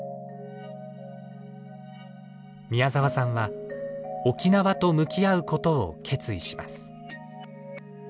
宮沢さんは沖縄と向き合うことを決意します。